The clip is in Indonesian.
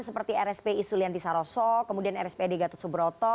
seperti rspi sulianti saroso kemudian rspi degatut subroto